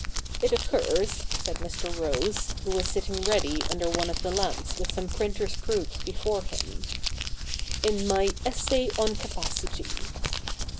It occurs,' said Mr. Rose, who was sitting ready under one of the lamps with some printer's proofs before him, ' in my Essay on Capacity.